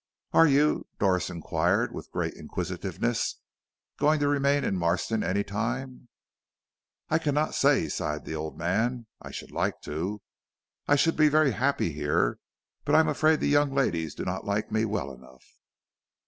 "Are you," Doris inquired, with great inquisitiveness, "going to remain in Marston any time?" "I cannot say," sighed the old man; "I should like to. I should be very happy here, but I am afraid the young ladies do not like me well enough."